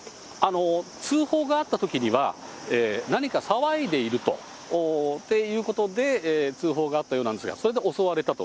通報があったときには、何か騒いでいるということで通報があったようなんですが、それで襲われたと。